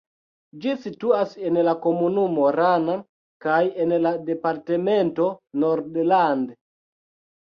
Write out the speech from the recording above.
Ĝi situas en la komunumo Rana kaj en la departemento Nordland.